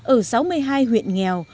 ở sáu mươi hai huyện nghèo